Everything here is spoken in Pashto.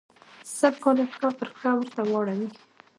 سل کاله پښه پر پښه ورته واړوي.